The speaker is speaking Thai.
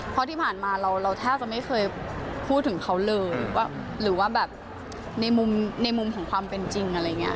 เพราะที่ผ่านมาเราแทบจะไม่เคยพูดถึงเขาเลยหรือว่าแบบในมุมในมุมของความเป็นจริงอะไรอย่างนี้